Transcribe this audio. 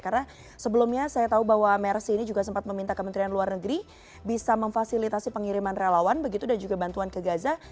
karena sebelumnya saya tahu bahwa mercy ini juga sempat meminta kementerian luar negeri bisa memfasilitasi pengiriman relawan begitu dan juga bantuan ke gaza